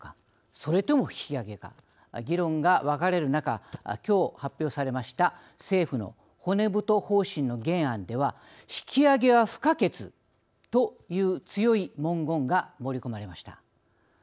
それとも引き上げか議論が分かれる中きょう発表されました政府の骨太方針の原案では引き上げは不可欠という強い文言が盛り込まれました。